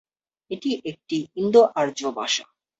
এটি একটি ইন্দো-আর্য ভাষা।